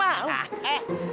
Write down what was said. aku tidak mau